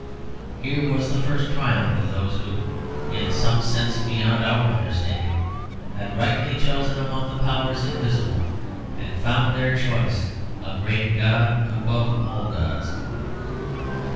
Here was the first triumph of those who, in some sense beyond our understanding, had rightly chosen among the powers invisible, and found their choice a great god above all gods.